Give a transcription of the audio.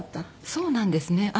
そうなんですね。